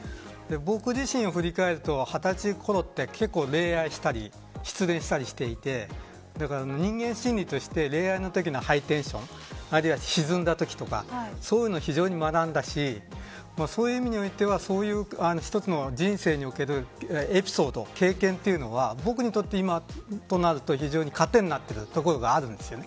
僕自身を振り返ると２０歳ごろは結構、恋愛をしたり失恋したりしていてだから人間心理として恋愛のときのハイテンションあるいは沈んだときとかそういうのを非常に学んだしそういう意味においては一つの人生におけるエピソード経験というのは、僕にとっては今となると非常に糧になっているところがあるんです。